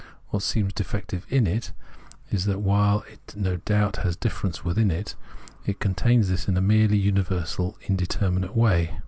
What seems defective in it is that while it no doubt has difference within it, it contains this in a merely universal indeterminate way.